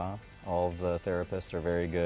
semua terapeuta sangat baik